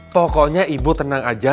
pokoknya ibu tenang aja